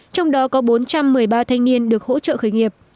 trong đó có bốn trăm một mươi ba thanh niên được hỗ trợ khởi nghiệp